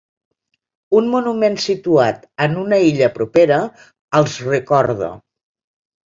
Un monument situat en una illa propera els recorda.